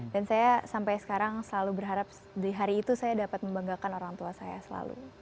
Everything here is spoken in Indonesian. dan saya sampai sekarang selalu berharap di hari itu saya dapat membanggakan orang tua saya selalu